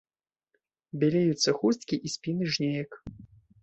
Бялеюцца хусткі і спіны жнеек.